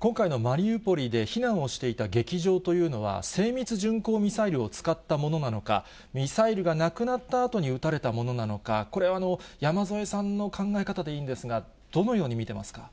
今回のマリウポリで避難をしていた劇場というのは、精密巡航ミサイルを使ったものなのか、ミサイルがなくなったあとに撃たれたものなのか、これ、山添さんの考え方でいいんですが、どのように見てますか。